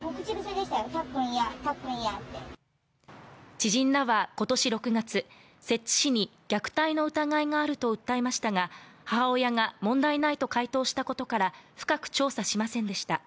知人らは今年６月、摂津市に虐待の疑いがあると訴えましたが、母親が問題ないと回答したことから、深く調査しませんでした。